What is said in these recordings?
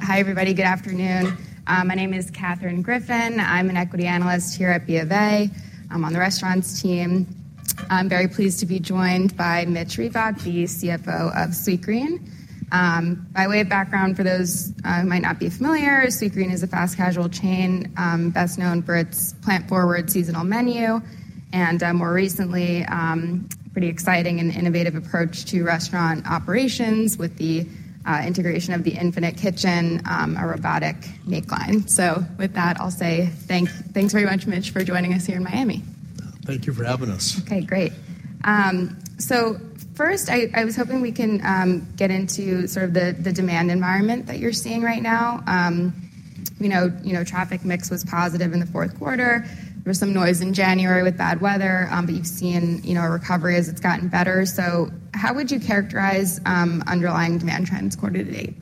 Hi everybody, good afternoon. My name is Katherine Griffin. I'm an equity analyst here at BofA, on the restaurants team. I'm very pleased to be joined by Mitch Reback, the CFO of Sweetgreen. By way of background, for those who might not be familiar, Sweetgreen is a fast casual chain best known for its plant-forward seasonal menu and, more recently, a pretty exciting and innovative approach to restaurant operations with the integration of the Infinite Kitchen, a robotic makeline. With that, I'll say thanks very much, Mitch, for joining us here in Miami. Thank you for having us. Okay, great. So first, I was hoping we can get into sort of the demand environment that you're seeing right now. Traffic mix was positive in the fourth quarter. There was some noise in January with bad weather, but you've seen a recovery as it's gotten better. So how would you characterize underlying demand trends quarter to date?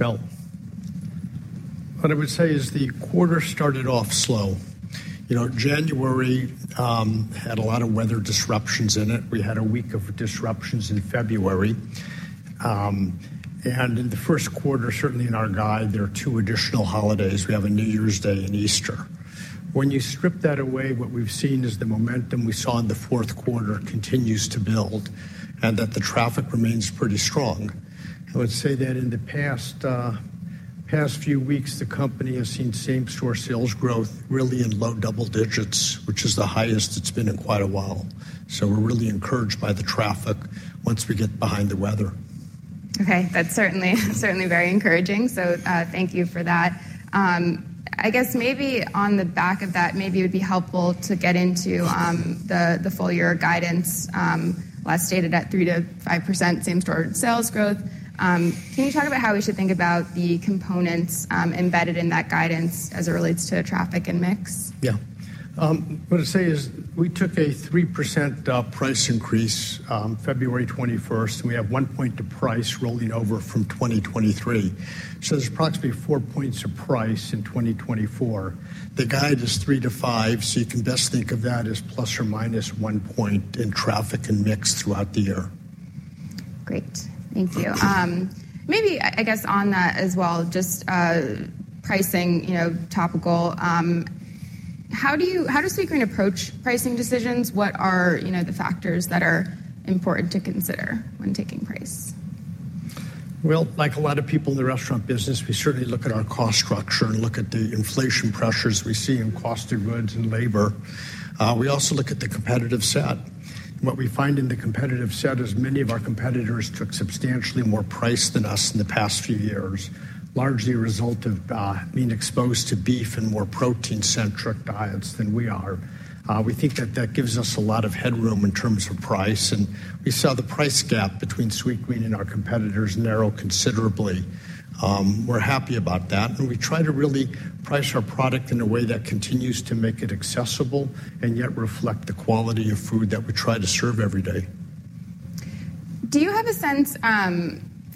Well, what I would say is the quarter started off slow. January had a lot of weather disruptions in it. We had a week of disruptions in February. In the first quarter, certainly in our guide, there are two additional holidays. We have a New Year's Day and Easter. When you strip that away, what we've seen is the momentum we saw in the fourth quarter continues to build and that the traffic remains pretty strong. I would say that in the past few weeks, the company has seen same-store sales growth really in low double digits, which is the highest it's been in quite a while. So we're really encouraged by the traffic once we get behind the weather. Okay. That's certainly very encouraging. So thank you for that. I guess maybe on the back of that, maybe it would be helpful to get into the full-year guidance last dated at 3%-5% same-store sales growth. Can you talk about how we should think about the components embedded in that guidance as it relates to traffic and mix? Yeah. What I'd say is we took a 3% price increase February 21st, and we have 1 point of price rolling over from 2023. So there's approximately 4 points of price in 2024. The guide is 3-5, so you can best think of that as ±1 point in traffic and mix throughout the year. Great. Thank you. Maybe, I guess, on that as well, just pricing, topical. How does Sweetgreen approach pricing decisions? What are the factors that are important to consider when taking price? Well, like a lot of people in the restaurant business, we certainly look at our cost structure and look at the inflation pressures we see in cost of goods and labor. We also look at the competitive set. And what we find in the competitive set is many of our competitors took substantially more price than us in the past few years, largely a result of being exposed to beef and more protein-centric diets than we are. We think that that gives us a lot of headroom in terms of price. And we saw the price gap between Sweetgreen and our competitors narrow considerably. We're happy about that. And we try to really price our product in a way that continues to make it accessible and yet reflect the quality of food that we try to serve every day. Do you have a sense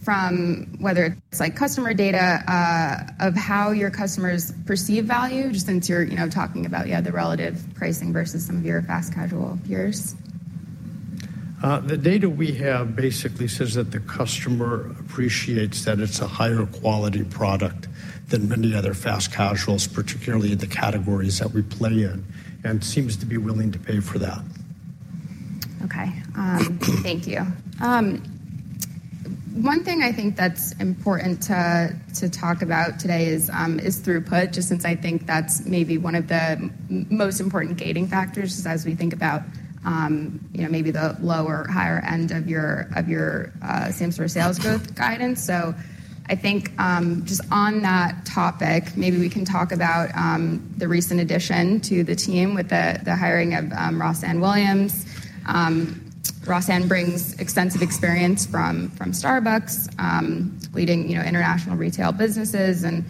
from whether it's customer data of how your customers perceive value, just since you're talking about the relative pricing versus some of your fast casual peers? The data we have basically says that the customer appreciates that it's a higher quality product than many other fast casuals, particularly in the categories that we play in, and seems to be willing to pay for that. Okay. Thank you. One thing I think that's important to talk about today is throughput, just since I think that's maybe one of the most important gating factors as we think about maybe the lower or higher end of your same-store sales growth guidance. So I think just on that topic, maybe we can talk about the recent addition to the team with the hiring of Rossann Williams. Rossann brings extensive experience from Starbucks, leading international retail businesses and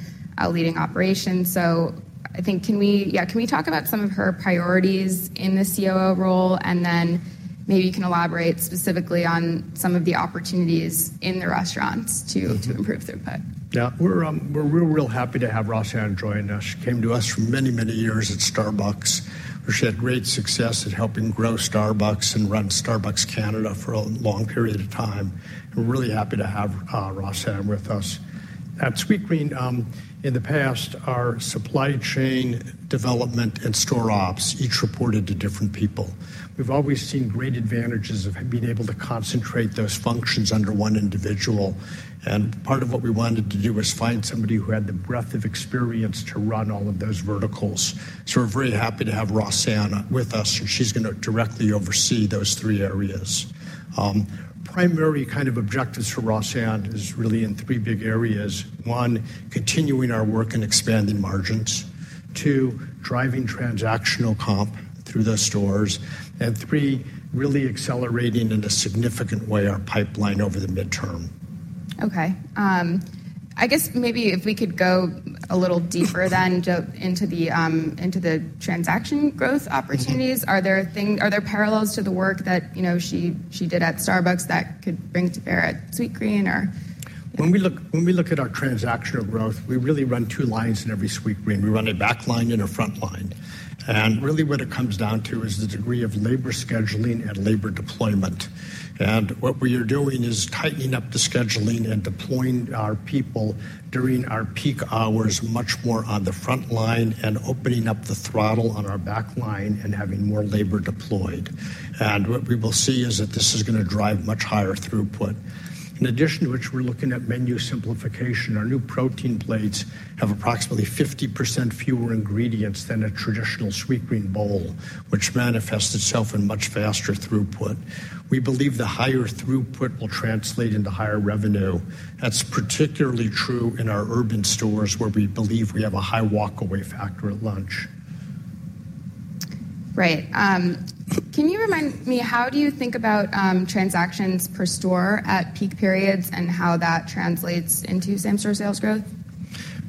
leading operations. So I think, yeah, can we talk about some of her priorities in the COO role? And then maybe you can elaborate specifically on some of the opportunities in the restaurants to improve throughput. Yeah. We're real, real happy to have Rossann join us. She came to us for many, many years at Starbucks. She had great success at helping grow Starbucks and run Starbucks Canada for a long period of time. We're really happy to have Rossann with us. At Sweetgreen, in the past, our supply chain development and store ops each reported to different people. We've always seen great advantages of being able to concentrate those functions under one individual. And part of what we wanted to do was find somebody who had the breadth of experience to run all of those verticals. So we're very happy to have Rossann with us, and she's going to directly oversee those three areas. Primary kind of objectives for Rossann is really in three big areas. One, continuing our work and expanding margins. Two, driving transactional comp through the stores. And three, really accelerating in a significant way our pipeline over the midterm. Okay. I guess maybe if we could go a little deeper then into the transaction growth opportunities. Are there parallels to the work that she did at Starbucks that could bring to bear at Sweetgreen, or? When we look at our transactional growth, we really run two lines in every Sweetgreen. We run a back line and a front line. Really, what it comes down to is the degree of labor scheduling and labor deployment. What we are doing is tightening up the scheduling and deploying our people during our peak hours much more on the front line and opening up the throttle on our back line and having more labor deployed. What we will see is that this is going to drive much higher throughput. In addition to which, we're looking at menu simplification. Our new Protein Plates have approximately 50% fewer ingredients than a traditional Sweetgreen bowl, which manifests itself in much faster throughput. We believe the higher throughput will translate into higher revenue. That's particularly true in our urban stores where we believe we have a high walkaway factor at lunch. Right. Can you remind me, how do you think about transactions per store at peak periods and how that translates into same-store sales growth?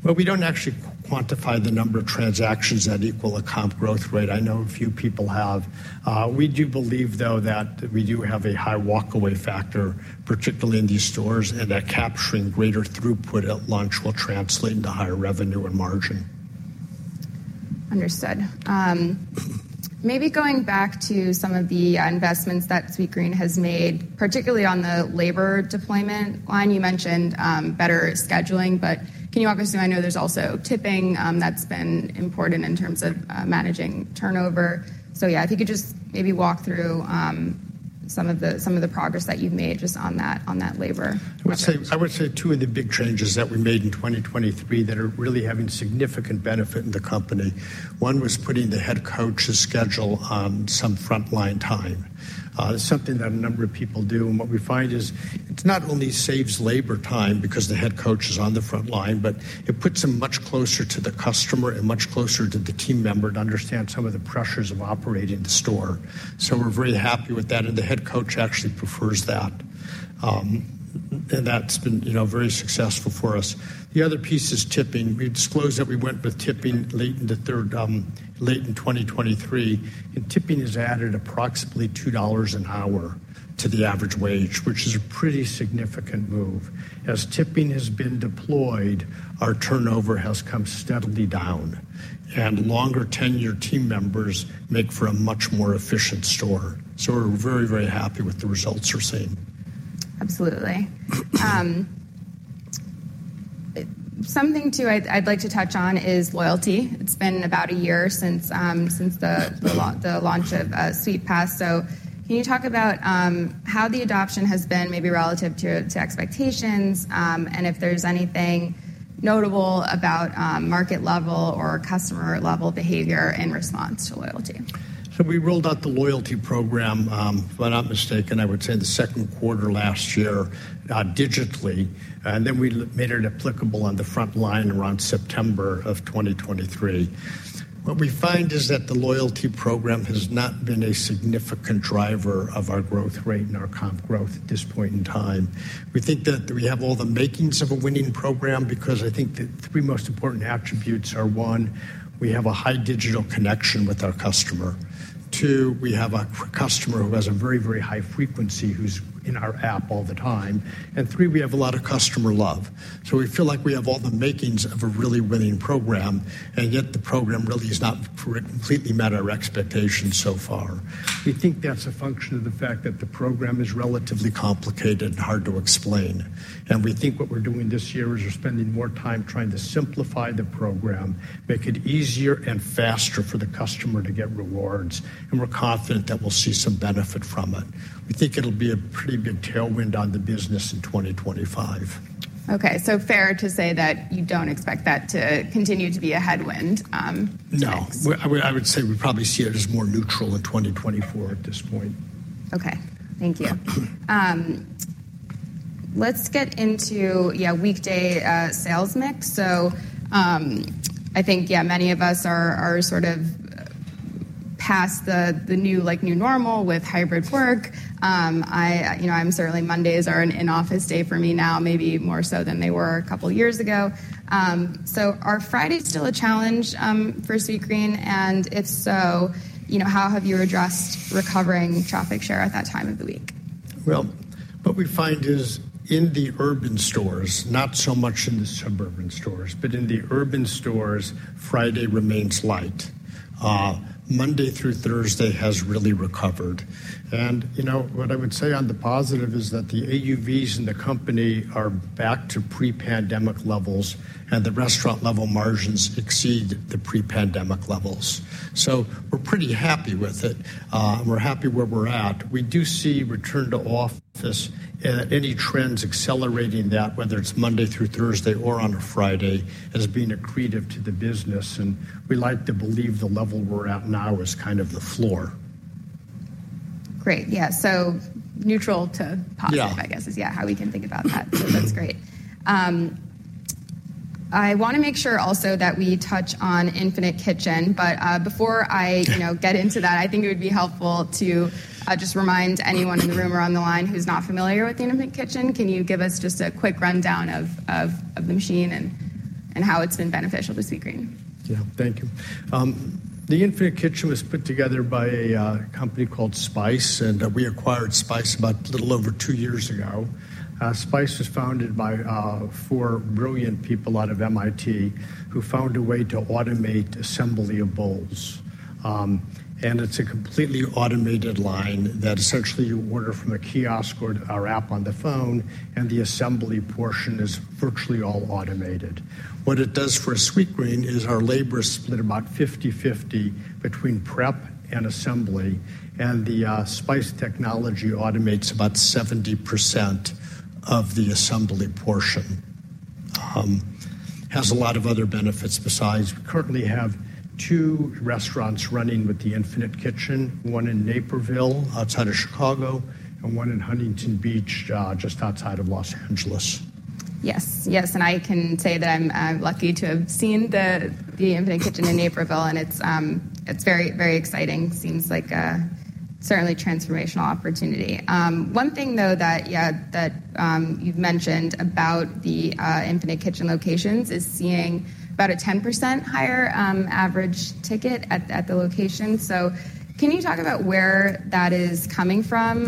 Well, we don't actually quantify the number of transactions that equal a comp growth rate. I know a few people have. We do believe, though, that we do have a high walkaway factor, particularly in these stores, and that capturing greater throughput at lunch will translate into higher revenue and margin. Understood. Maybe going back to some of the investments that Sweetgreen has made, particularly on the labor deployment line, you mentioned better scheduling. But can you walk us through? I know there's also tipping that's been important in terms of managing turnover. So yeah, if you could just maybe walk through some of the progress that you've made just on that labor. I would say two of the big changes that we made in 2023 that are really having significant benefit in the company. One was putting the Head Coach's schedule on some front-line time. That's something that a number of people do. And what we find is it not only saves labor time because the Head Coach is on the front line, but it puts them much closer to the customer and much closer to the team member to understand some of the pressures of operating the store. So we're very happy with that. And the Head Coach actually prefers that. And that's been very successful for us. The other piece is tipping. We disclosed that we went with tipping late in 2023. And tipping has added approximately $2 an hour to the average wage, which is a pretty significant move. As tipping has been deployed, our turnover has come steadily down. Longer-tenured team members make for a much more efficient store. We're very, very happy with the results we're seeing. Absolutely. Something too I'd like to touch on is loyalty. It's been about a year since the launch of Sweetpass. So can you talk about how the adoption has been maybe relative to expectations and if there's anything notable about market-level or customer-level behavior in response to loyalty? So we rolled out the loyalty program, if I'm not mistaken, I would say the second quarter last year digitally. And then we made it applicable on the front line around September of 2023. What we find is that the loyalty program has not been a significant driver of our growth rate and our comp growth at this point in time. We think that we have all the makings of a winning program because I think the three most important attributes are, one, we have a high digital connection with our customer. Two, we have a customer who has a very, very high frequency who's in our app all the time. And three, we have a lot of customer love. So we feel like we have all the makings of a really winning program, and yet the program really has not completely met our expectations so far. We think that's a function of the fact that the program is relatively complicated and hard to explain. We think what we're doing this year is we're spending more time trying to simplify the program, make it easier and faster for the customer to get rewards. We're confident that we'll see some benefit from it. We think it'll be a pretty big tailwind on the business in 2025. Okay. So fair to say that you don't expect that to continue to be a headwind next week? No. I would say we probably see it as more neutral in 2024 at this point. Okay. Thank you. Let's get into, yeah, weekday sales mix. So I think, yeah, many of us are sort of past the new normal with hybrid work. I'm certainly Mondays are an in-office day for me now, maybe more so than they were a couple of years ago. So are Fridays still a challenge for Sweetgreen? And if so, how have you addressed recovering traffic share at that time of the week? Well, what we find is in the urban stores, not so much in the suburban stores, but in the urban stores, Friday remains light. Monday through Thursday has really recovered. And what I would say on the positive is that the AUVs in the company are back to pre-pandemic levels, and the restaurant-level margins exceed the pre-pandemic levels. So we're pretty happy with it. And we're happy where we're at. We do see return to office, and any trends accelerating that, whether it's Monday through Thursday or on a Friday, has been accretive to the business. And we like to believe the level we're at now is kind of the floor. Great. Yeah. So neutral to positive, I guess, is, yeah, how we can think about that. So that's great. I want to make sure also that we touch on Infinite Kitchen. But before I get into that, I think it would be helpful to just remind anyone in the room or on the line who's not familiar with the Infinite Kitchen, can you give us just a quick rundown of the machine and how it's been beneficial to Sweetgreen? Yeah. Thank you. The Infinite Kitchen was put together by a company called Spyce, and we acquired Spyce about a little over two years ago. Spyce was founded by 4 brilliant people out of MIT who found a way to automate assembly of bowls. And it's a completely automated line that essentially you order from a kiosk or our app on the phone, and the assembly portion is virtually all automated. What it does for Sweetgreen is our labor is split about 50/50 between prep and assembly. And the Spyce technology automates about 70% of the assembly portion. It has a lot of other benefits besides. We currently have 2 restaurants running with the Infinite Kitchen, one in Naperville outside of Chicago and one in Huntington Beach just outside of Los Angeles. Yes. Yes. And I can say that I'm lucky to have seen the Infinite Kitchen in Naperville, and it's very, very exciting. Seems like certainly a transformational opportunity. One thing, though, that, yeah, that you've mentioned about the Infinite Kitchen locations is seeing about a 10% higher average ticket at the location. So can you talk about where that is coming from?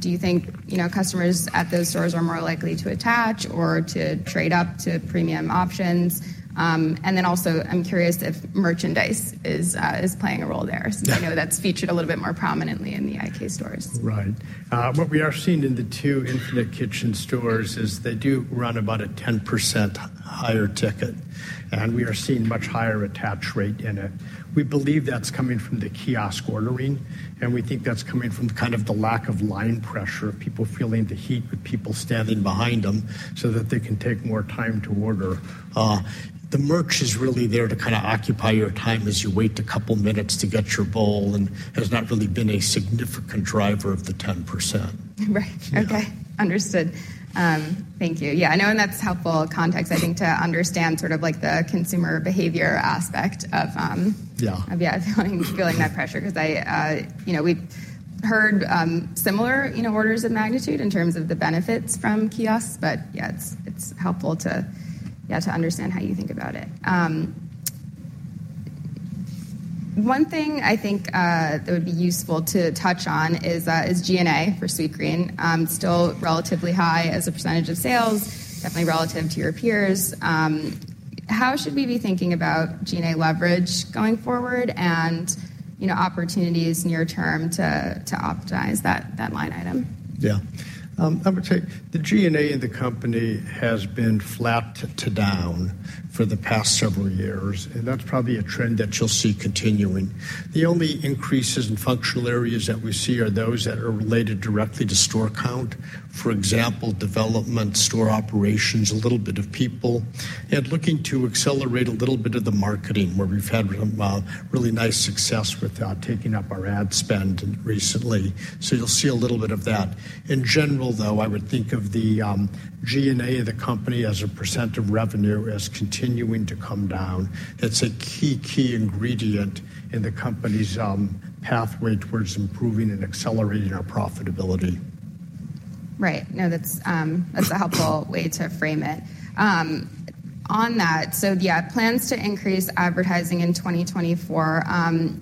Do you think customers at those stores are more likely to attach or to trade up to premium options? And then also, I'm curious if merchandise is playing a role there. I know that's featured a little bit more prominently in the IK stores. Right. What we are seeing in the 2 Infinite Kitchen stores is they do run about a 10% higher ticket. And we are seeing a much higher attach rate in it. We believe that's coming from the kiosk ordering. And we think that's coming from kind of the lack of line pressure, people feeling the heat with people standing behind them so that they can take more time to order. The merch is really there to kind of occupy your time as you wait a couple of minutes to get your bowl and has not really been a significant driver of the 10%. Right. Okay. Understood. Thank you. Yeah. I know in that helpful context, I think, to understand sort of the consumer behavior aspect of, yeah, feeling that pressure because we've heard similar orders of magnitude in terms of the benefits from kiosks. But yeah, it's helpful to, yeah, to understand how you think about it. One thing I think that would be useful to touch on is G&A for Sweetgreen. Still relatively high as a percentage of sales, definitely relative to your peers. How should we be thinking about G&A leverage going forward and opportunities near-term to optimize that line item? Yeah. I would say the G&A in the company has been flat to down for the past several years. That's probably a trend that you'll see continuing. The only increases in functional areas that we see are those that are related directly to store count, for example, development, store operations, a little bit of people, and looking to accelerate a little bit of the marketing where we've had really nice success with taking up our ad spend recently. You'll see a little bit of that. In general, though, I would think of the G&A of the company as a % of revenue as continuing to come down. That's a key, key ingredient in the company's pathway towards improving and accelerating our profitability. Right. No, that's a helpful way to frame it. On that, so yeah, plans to increase advertising in 2024.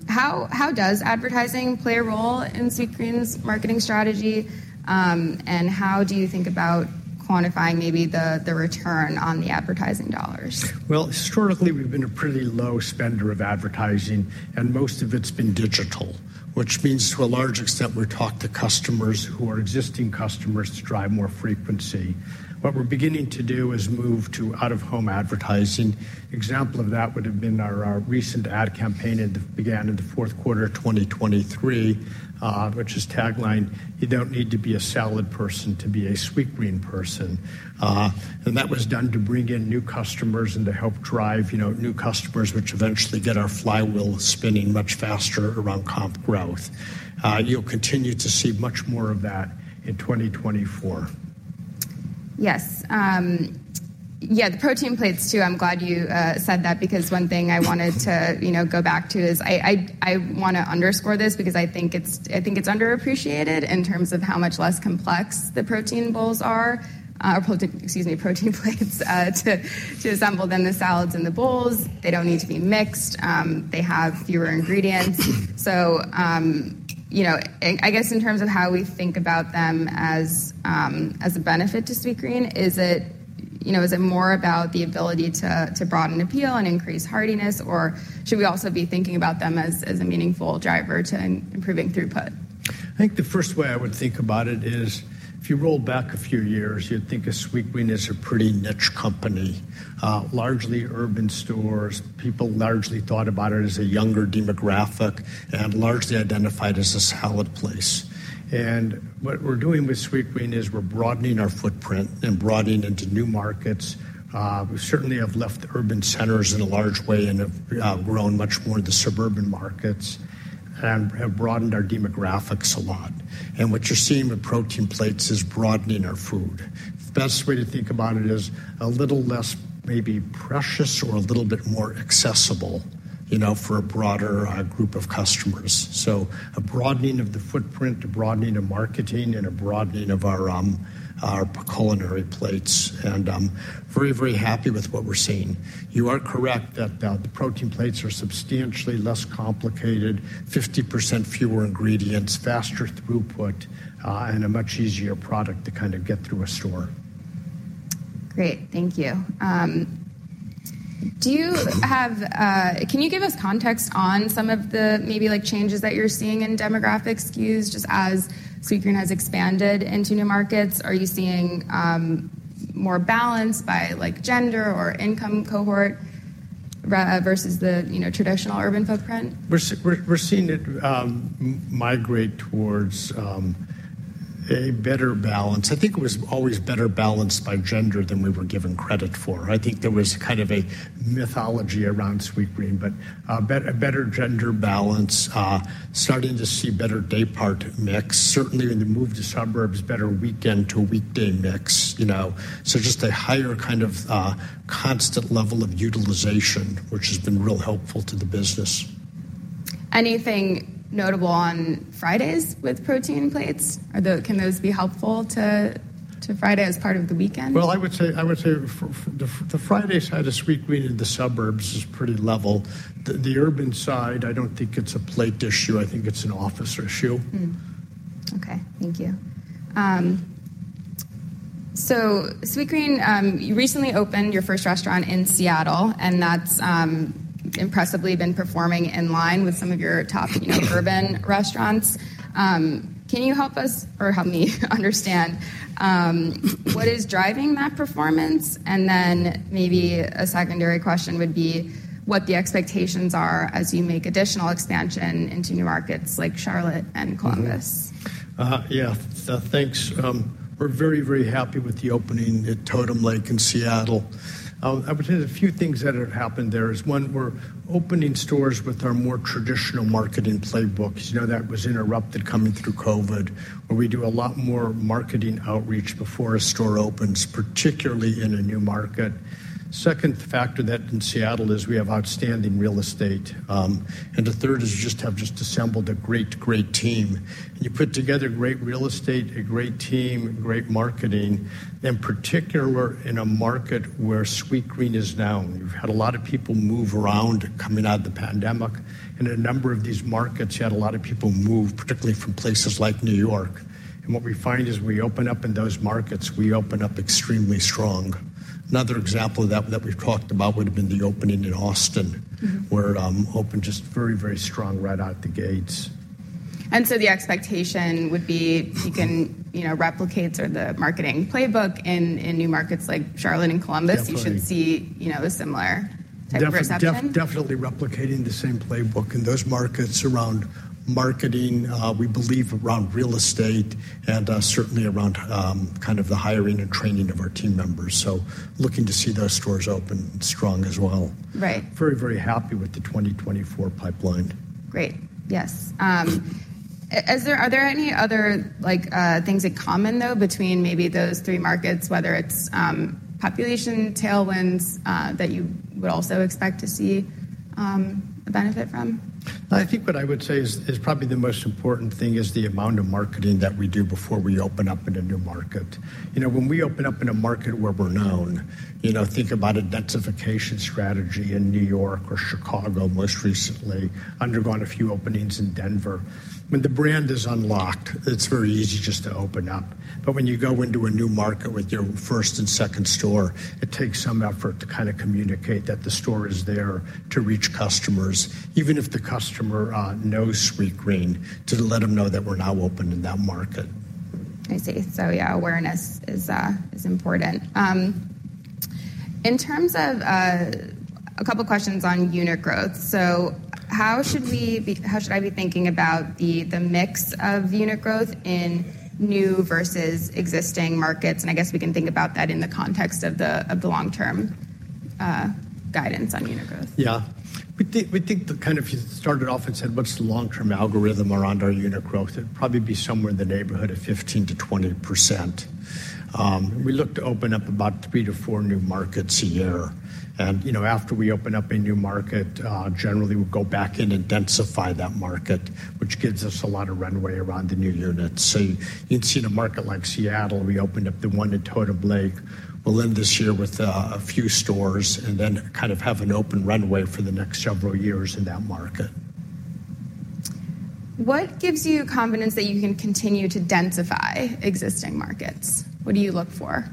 How does advertising play a role in Sweetgreen's marketing strategy? And how do you think about quantifying maybe the return on the advertising dollars? Well, historically, we've been a pretty low spender of advertising. Most of it's been digital, which means to a large extent, we talk to customers who are existing customers to drive more frequency. What we're beginning to do is move to out-of-home advertising. Example of that would have been our recent ad campaign that began in the fourth quarter of 2023, which is taglined, "You don't need to be a salad person to be a Sweetgreen person." That was done to bring in new customers and to help drive new customers, which eventually get our flywheel spinning much faster around comp growth. You'll continue to see much more of that in 2024. Yes. Yeah. The Protein Plates too. I'm glad you said that because one thing I wanted to go back to is I want to underscore this because I think it's underappreciated in terms of how much less complex the protein bowls are or excuse me, Protein Plates to assemble than the salads and the bowls. They don't need to be mixed. They have fewer ingredients. So I guess in terms of how we think about them as a benefit to Sweetgreen, is it more about the ability to broaden appeal and increase heartiness, or should we also be thinking about them as a meaningful driver to improving throughput? I think the first way I would think about it is if you roll back a few years, you'd think of Sweetgreen as a pretty niche company, largely urban stores. People largely thought about it as a younger demographic and largely identified as a salad place. And what we're doing with Sweetgreen is we're broadening our footprint and broadening into new markets. We certainly have left urban centers in a large way and have grown much more in the suburban markets and have broadened our demographics a lot. And what you're seeing with Protein Plates is broadening our food. The best way to think about it is a little less maybe precious or a little bit more accessible for a broader group of customers. So a broadening of the footprint, a broadening of marketing, and a broadening of our culinary plates. And very, very happy with what we're seeing. You are correct that the Protein Plates are substantially less complicated, 50% fewer ingredients, faster throughput, and a much easier product to kind of get through a store. Great. Thank you. Can you give us context on some of the maybe changes that you're seeing in demographic SKUs just as Sweetgreen has expanded into new markets? Are you seeing more balance by gender or income cohort versus the traditional urban footprint? We're seeing it migrate towards a better balance. I think it was always better balanced by gender than we were given credit for. I think there was kind of a mythology around Sweetgreen, but a better gender balance, starting to see better day-part mix, certainly in the move to suburbs, better weekend to weekday mix. So just a higher kind of constant level of utilization, which has been real helpful to the business. Anything notable on Fridays with Protein Plates? Can those be helpful to Friday as part of the weekend? Well, I would say the Friday side of Sweetgreen in the suburbs is pretty level. The urban side, I don't think it's a plate issue. I think it's an office issue. Okay. Thank you. So Sweetgreen, you recently opened your first restaurant in Seattle, and that's impressively been performing in line with some of your top urban restaurants. Can you help us or help me understand what is driving that performance? And then maybe a secondary question would be what the expectations are as you make additional expansion into new markets like Charlotte and Columbus. Yeah. Thanks. We're very, very happy with the opening at Totem Lake in Seattle. I would say there's a few things that have happened there. Is one, we're opening stores with our more traditional marketing playbook. That was interrupted coming through COVID, where we do a lot more marketing outreach before a store opens, particularly in a new market. Second factor that in Seattle is we have outstanding real estate. And the third is we just have just assembled a great, great team. And you put together great real estate, a great team, great marketing, in particular in a market where Sweetgreen is now. You've had a lot of people move around coming out of the pandemic. And in a number of these markets, you had a lot of people move, particularly from places like New York. What we find is when we open up in those markets, we open up extremely strong. Another example of that that we've talked about would have been the opening in Austin, where it opened just very, very strong right out the gates. And so the expectation would be you can replicate sort of the marketing playbook in new markets like Charlotte and Columbus. You should see a similar type of reception. Definitely replicating the same playbook in those markets around marketing, we believe around real estate, and certainly around kind of the hiring and training of our team members. So looking to see those stores open strong as well. Very, very happy with the 2024 pipeline. Great. Yes. Are there any other things in common, though, between maybe those three markets, whether it's population tailwinds that you would also expect to see a benefit from? I think what I would say is probably the most important thing is the amount of marketing that we do before we open up in a new market. When we open up in a market where we're known, think about a densification strategy in New York or Chicago, most recently undergone a few openings in Denver. When the brand is unlocked, it's very easy just to open up. But when you go into a new market with your first and second store, it takes some effort to kind of communicate that the store is there to reach customers, even if the customer knows Sweetgreen, to let them know that we're now open in that market. I see. So yeah, awareness is important. In terms of a couple of questions on unit growth, so how should I be thinking about the mix of unit growth in new versus existing markets? And I guess we can think about that in the context of the long-term guidance on unit growth. Yeah. We think the kind of you started off and said, "What's the long-term algorithm around our unit growth?" It'd probably be somewhere in the neighborhood of 15%-20%. We look to open up about 3-4 new markets a year. After we open up a new market, generally, we'll go back in and densify that market, which gives us a lot of runway around the new units. So you can see in a market like Seattle, we opened up the one at Totem Lake. We'll end this year with a few stores and then kind of have an open runway for the next several years in that market. What gives you confidence that you can continue to densify existing markets? What do you look for?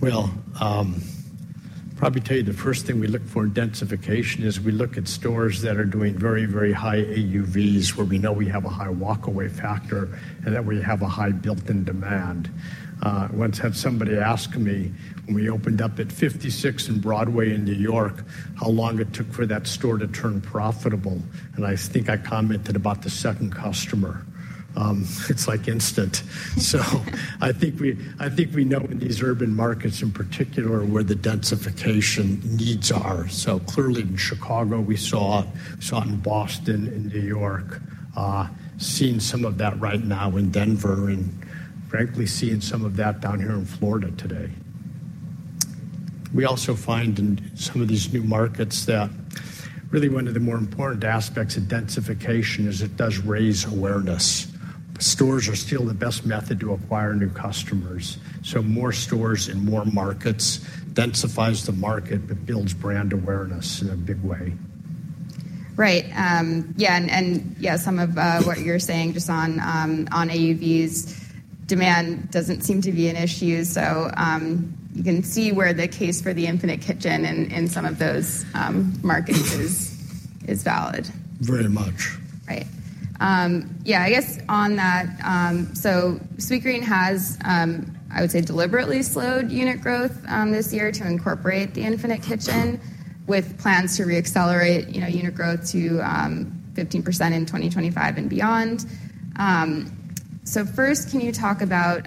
Well, I'll probably tell you the first thing we look for in densification is we look at stores that are doing very, very high AUVs where we know we have a high walkaway factor and that we have a high built-in demand. Once had somebody ask me when we opened up at 56 and Broadway in New York how long it took for that store to turn profitable, and I think I commented about the second customer. It's like instant. So I think we know in these urban markets in particular where the densification needs are. So clearly in Chicago, we saw it. We saw it in Boston, in New York. Seeing some of that right now in Denver and frankly, seeing some of that down here in Florida today. We also find in some of these new markets that really one of the more important aspects of densification is it does raise awareness. Stores are still the best method to acquire new customers. So more stores in more markets densifies the market but builds brand awareness in a big way. Right. Yeah. And yeah, some of what you're saying just on AUVs, demand doesn't seem to be an issue. So you can see where the case for the Infinite Kitchen in some of those markets is valid. Very much. Right. Yeah. I guess on that, so Sweetgreen has, I would say, deliberately slowed unit growth this year to incorporate the Infinite Kitchen with plans to reaccelerate unit growth to 15% in 2025 and beyond. So first, can you talk about,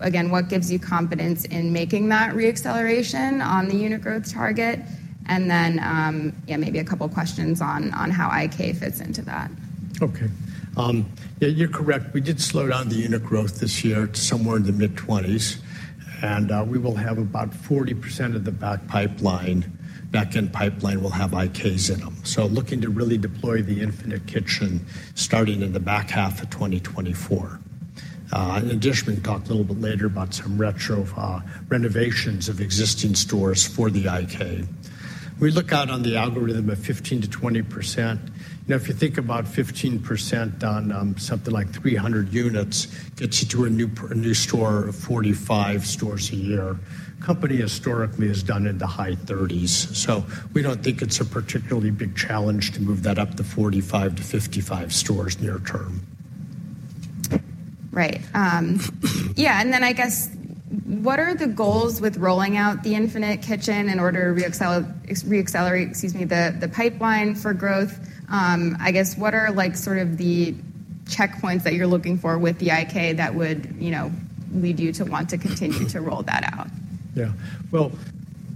again, what gives you confidence in making that reacceleration on the unit growth target? And then, yeah, maybe a couple of questions on how IK fits into that. Okay. Yeah, you're correct. We did slow down the unit growth this year to somewhere in the mid-20s. And we will have about 40% of the back end pipeline will have IKs in them. So looking to really deploy the Infinite Kitchen starting in the back half of 2024. In addition, we can talk a little bit later about some retro renovations of existing stores for the IK. We look out on the algorithm of 15%-20%. Now, if you think about 15% on something like 300 units, gets you to a new store of 45 stores a year. The company historically has done in the high 30s. So we don't think it's a particularly big challenge to move that up to 45-55 stores near term. Right. Yeah. And then I guess what are the goals with rolling out the Infinite Kitchen in order to reaccelerate - excuse me - the pipeline for growth? I guess what are sort of the checkpoints that you're looking for with the IK that would lead you to want to continue to roll that out? Yeah. Well,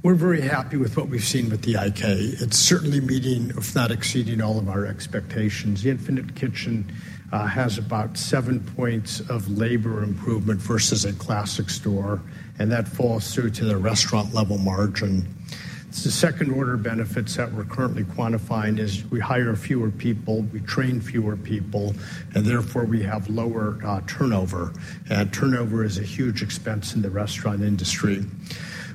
we're very happy with what we've seen with the IK. It's certainly meeting, if not exceeding, all of our expectations. The Infinite Kitchen has about seven points of labor improvement versus a classic store. And that falls through to the restaurant-level margin. The second-order benefits that we're currently quantifying is we hire fewer people, we train fewer people, and therefore, we have lower turnover. And turnover is a huge expense in the restaurant industry.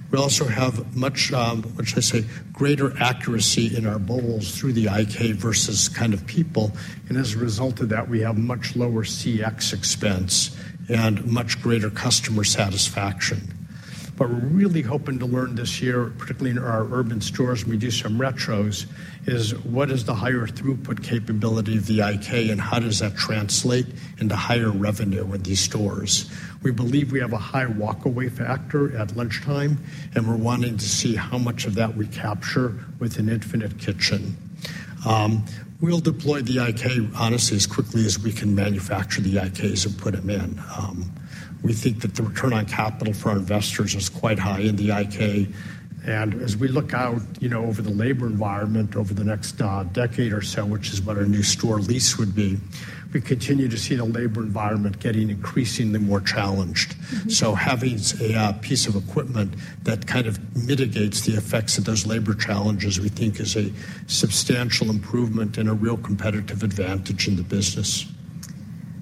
We also have much - what should I say? - greater accuracy in our bowls through the IK versus kind of people. And as a result of that, we have much lower CX expense and much greater customer satisfaction. But we're really hoping to learn this year, particularly in our urban stores when we do some retros, is what is the higher throughput capability of the IK, and how does that translate into higher revenue in these stores? We believe we have a high walkaway factor at lunchtime, and we're wanting to see how much of that we capture with an infinite kitchen. We'll deploy the IK, honestly, as quickly as we can manufacture the IKs and put them in. We think that the return on capital for our investors is quite high in the IK. And as we look out over the labor environment over the next decade or so, which is what our new store lease would be, we continue to see the labor environment getting increasingly more challenged. So having a piece of equipment that kind of mitigates the effects of those labor challenges, we think, is a substantial improvement and a real competitive advantage in the business.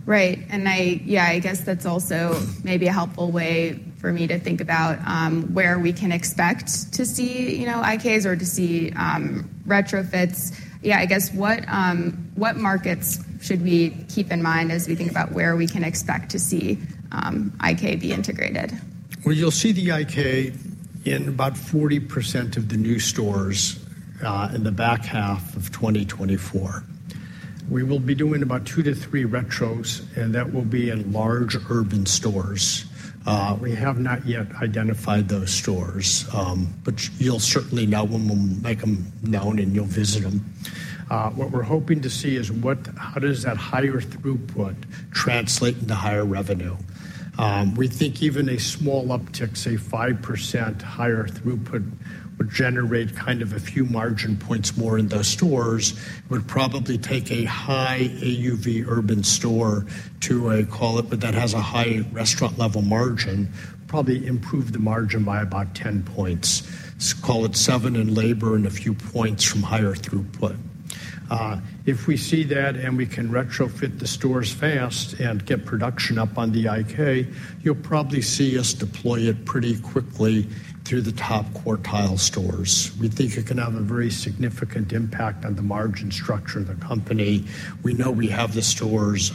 Right. And yeah, I guess that's also maybe a helpful way for me to think about where we can expect to see IKs or to see retrofits. Yeah. I guess what markets should we keep in mind as we think about where we can expect to see IK be integrated? Well, you'll see the IK in about 40% of the new stores in the back half of 2024. We will be doing about 2-3 retros, and that will be in large urban stores. We have not yet identified those stores, but you'll certainly know when we make them known, and you'll visit them. What we're hoping to see is how does that higher throughput translate into higher revenue? We think even a small uptick, say 5% higher throughput, would generate kind of a few margin points more in those stores. It would probably take a high AUV urban store to a - call it - but that has a high restaurant-level margin, probably improve the margin by about 10 points. Call it 7 in labor and a few points from higher throughput. If we see that and we can retrofit the stores fast and get production up on the IK, you'll probably see us deploy it pretty quickly through the top quartile stores. We think it can have a very significant impact on the margin structure of the company. We know we have the stores.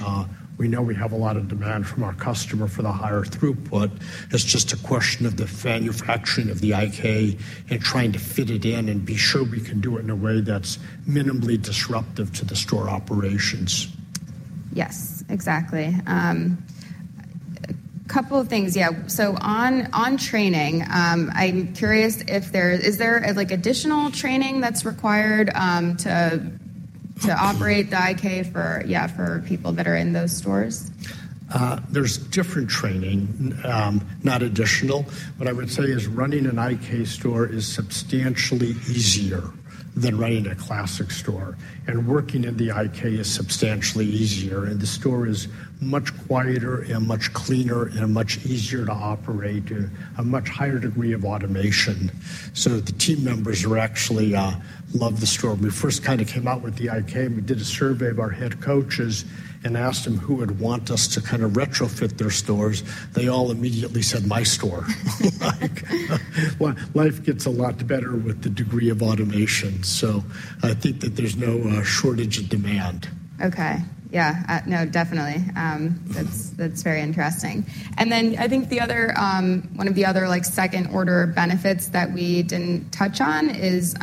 We know we have a lot of demand from our customer for the higher throughput. It's just a question of the manufacturing of the IK and trying to fit it in and be sure we can do it in a way that's minimally disruptive to the store operations. Yes. Exactly. A couple of things. Yeah. So on training, I'm curious if there is additional training that's required to operate the IK, yeah, for people that are in those stores? There's different training, not additional. What I would say is running an IK store is substantially easier than running a classic store. Working in the IK is substantially easier. The store is much quieter and much cleaner and much easier to operate, a much higher degree of automation. So the team members actually love the store. When we first kind of came out with the IK, we did a survey of our Head Coaches and asked them who would want us to kind of retrofit their stores. They all immediately said, "My store." Life gets a lot better with the degree of automation. So I think that there's no shortage of demand. Okay. Yeah. No, definitely. That's very interesting. And then I think one of the other second-order benefits that we didn't touch on is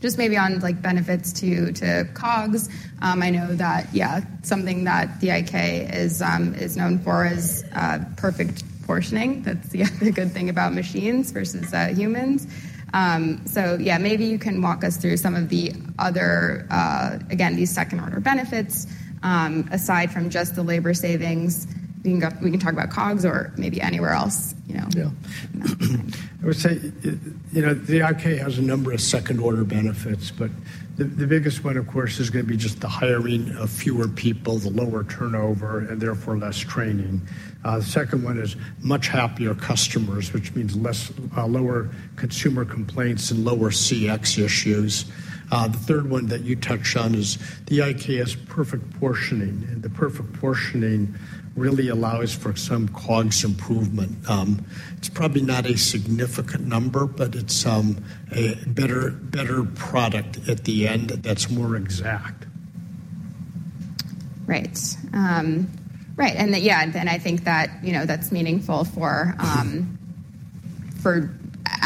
just maybe on benefits to COGS. I know that, yeah, something that the IK is known for is perfect portioning. That's, yeah, the good thing about machines versus humans. So yeah, maybe you can walk us through some of the other, again, these second-order benefits aside from just the labor savings. We can talk about COGS or maybe anywhere else. Yeah. I would say the IK has a number of second-order benefits, but the biggest one, of course, is going to be just the hiring of fewer people, the lower turnover, and therefore less training. The second one is much happier customers, which means lower consumer complaints and lower CX issues. The third one that you touched on is the IK has perfect portioning. And the perfect portioning really allows, for example, COGS improvement. It's probably not a significant number, but it's a better product at the end that's more exact. Right. Right. And yeah, then I think that that's meaningful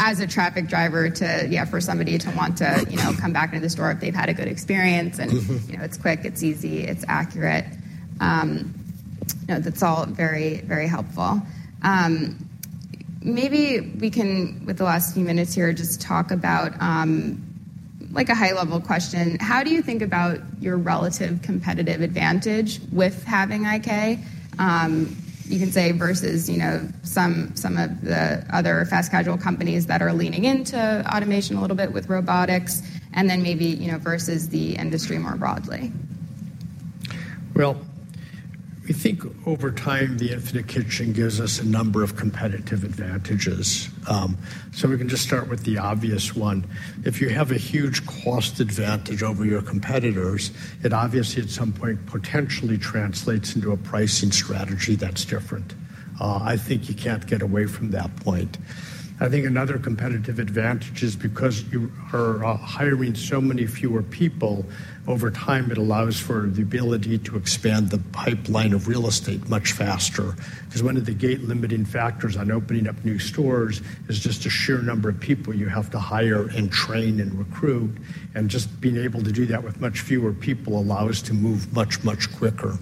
as a traffic driver, yeah, for somebody to want to come back into the store if they've had a good experience. And it's quick. It's easy. It's accurate. That's all very, very helpful. Maybe we can, with the last few minutes here, just talk about a high-level question. How do you think about your relative competitive advantage with having IK, you can say, versus some of the other fast casual companies that are leaning into automation a little bit with robotics and then maybe versus the industry more broadly? Well, we think over time, the Infinite Kitchen gives us a number of competitive advantages. So we can just start with the obvious one. If you have a huge cost advantage over your competitors, it obviously, at some point, potentially translates into a pricing strategy that's different. I think you can't get away from that point. I think another competitive advantage is because you are hiring so many fewer people, over time, it allows for the ability to expand the pipeline of real estate much faster. Because one of the gate-limiting factors on opening up new stores is just a sheer number of people you have to hire and train and recruit. And just being able to do that with much fewer people allows to move much, much quicker.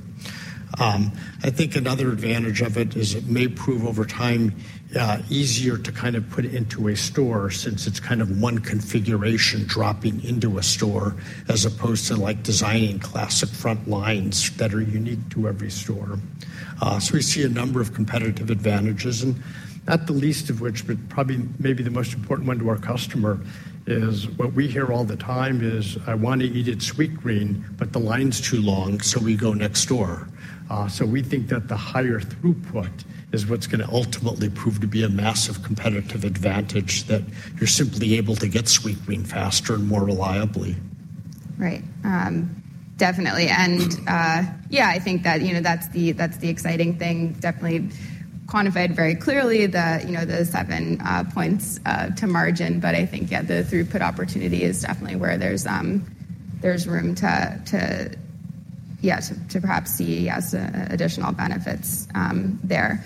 I think another advantage of it is it may prove over time easier to kind of put into a store since it's kind of one configuration dropping into a store as opposed to designing classic front lines that are unique to every store. So we see a number of competitive advantages, and not the least of which, but probably maybe the most important one to our customer is what we hear all the time is, "I want to eat at Sweetgreen, but the line's too long, so we go next door." So we think that the higher throughput is what's going to ultimately prove to be a massive competitive advantage that you're simply able to get Sweetgreen faster and more reliably. Right. Definitely. And yeah, I think that that's the exciting thing, definitely quantified very clearly, the 7 points to margin. But I think, yeah, the throughput opportunity is definitely where there's room to, yeah, to perhaps see, yes, additional benefits there.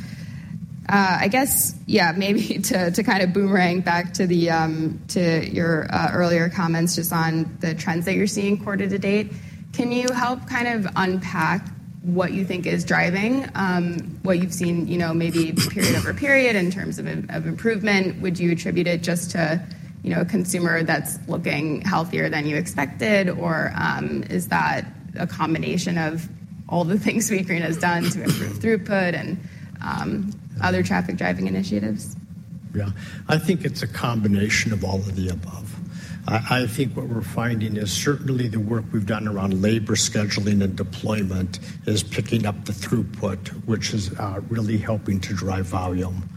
I guess, yeah, maybe to kind of boomerang back to your earlier comments just on the trends that you're seeing quarter to date, can you help kind of unpack what you think is driving what you've seen maybe period over period in terms of improvement? Would you attribute it just to a consumer that's looking healthier than you expected, or is that a combination of all the things Sweetgreen has done to improve throughput and other traffic driving initiatives? Yeah. I think it's a combination of all of the above. I think what we're finding is certainly the work we've done around labor scheduling and deployment is picking up the throughput, which is really helping to drive volume.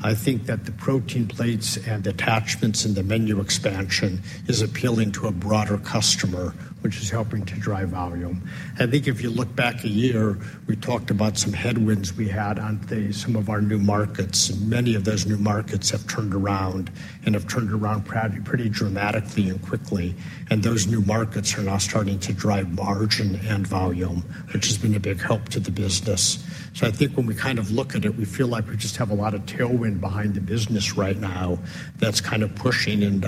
I think that the Protein Plates and attachments and the menu expansion is appealing to a broader customer, which is helping to drive volume. I think if you look back a year, we talked about some headwinds we had on some of our new markets. And many of those new markets have turned around and have turned around pretty dramatically and quickly. And those new markets are now starting to drive margin and volume, which has been a big help to the business. So I think when we kind of look at it, we feel like we just have a lot of tailwind behind the business right now that's kind of pushing. And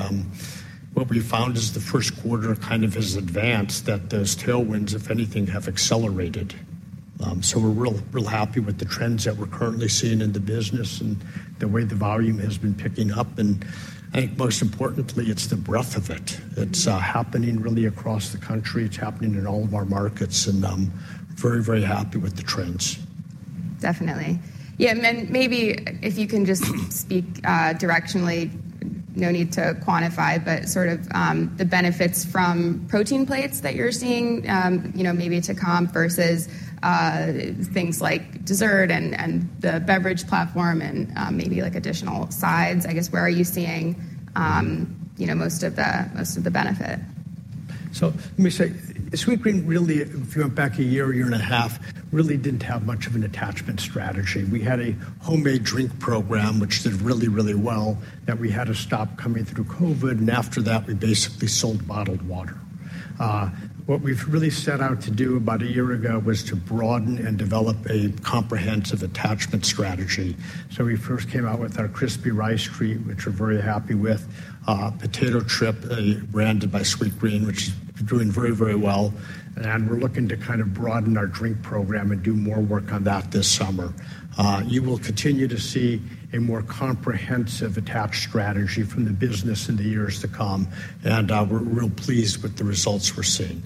what we found is the first quarter kind of has advanced that those tailwinds, if anything, have accelerated. So we're real happy with the trends that we're currently seeing in the business and the way the volume has been picking up. And I think most importantly, it's the breadth of it. It's happening really across the country. It's happening in all of our markets. And very, very happy with the trends. Definitely. Yeah. And then maybe if you can just speak directionally, no need to quantify, but sort of the benefits from Protein Plates that you're seeing maybe to comp versus things like dessert and the beverage platform and maybe additional sides, I guess, where are you seeing most of the benefit? So let me say, Sweetgreen really, if you went back a year, a year and a half, really didn't have much of an attachment strategy. We had a homemade drink program which did really, really well that we had to stop coming through COVID. And after that, we basically sold bottled water. What we've really set out to do about a year ago was to broaden and develop a comprehensive attachment strategy. So we first came out with our Crispy Rice Treat, which we're very happy with, potato crisp branded by Sweetgreen, which is doing very, very well. And we're looking to kind of broaden our drink program and do more work on that this summer. You will continue to see a more comprehensive attachment strategy from the business in the years to come. And we're real pleased with the results we're seeing.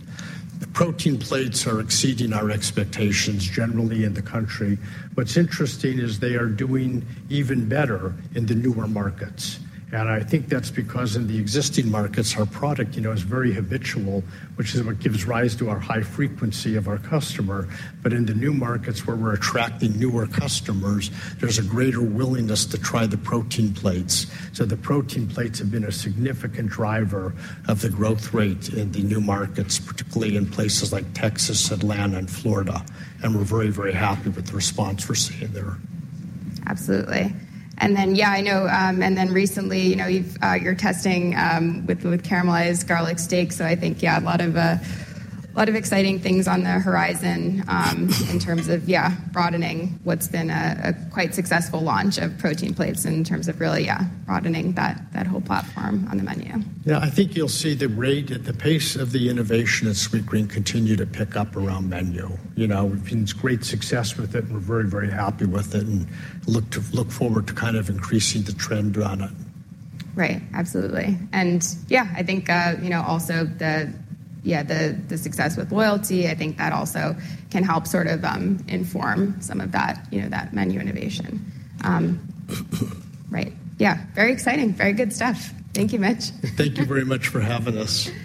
The Protein Plates are exceeding our expectations generally in the country. What's interesting is they are doing even better in the newer markets. And I think that's because in the existing markets, our product is very habitual, which is what gives rise to our high frequency of our customer. But in the new markets where we're attracting newer customers, there's a greater willingness to try the Protein Plates. So the Protein Plates have been a significant driver of the growth rate in the new markets, particularly in places like Texas, Atlanta, and Florida. And we're very, very happy with the response we're seeing there. Absolutely. And then, yeah, I know and then recently, you're testing with Caramelized Garlic Steak. So I think, yeah, a lot of exciting things on the horizon in terms of, yeah, broadening what's been a quite successful launch of Protein Plates in terms of really, yeah, broadening that whole platform on the menu. Yeah. I think you'll see the pace of the innovation at Sweetgreen continue to pick up around menu. We've been great success with it, and we're very, very happy with it and look forward to kind of increasing the trend on it. Right. Absolutely. And yeah, I think also the, yeah, the success with loyalty, I think that also can help sort of inform some of that menu innovation. Right. Yeah. Very exciting. Very good stuff. Thank you, Mitch. Thank you very much for having us.